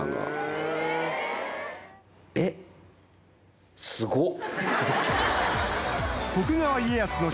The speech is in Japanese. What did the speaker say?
えっすごっ。